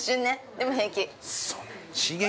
でも平気。